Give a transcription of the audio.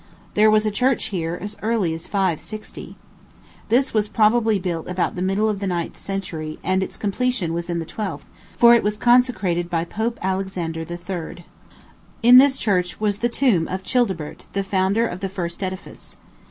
There was a church here as early as 560. This was probably built about the middle of the ninth century, and its completion was in the twelfth; for it was consecrated by Pope Alexander III. In this church was the tomb of Childebert, the founder of the first edifice.